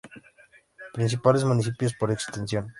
Principales municipios por extensión